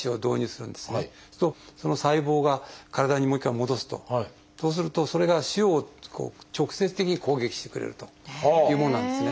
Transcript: するとその細胞が体にもう一回戻すとそうするとそれが腫瘍を直接的に攻撃してくれるというものなんですね。